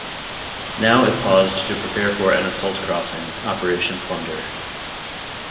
Now it paused to prepare for an assault crossing (Operation Plunder).